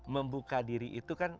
membuka diri itu kan